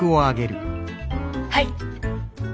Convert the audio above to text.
はい。